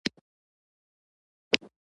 دا يې ستره مدعا ده